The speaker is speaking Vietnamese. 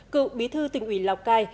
cựu bí thư tỉnh ủy lào cai